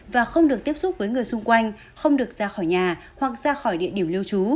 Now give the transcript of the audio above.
và không được tiếp xúc với người xung quanh không được ra khỏi nhà hoặc ra khỏi địa điểm lưu trú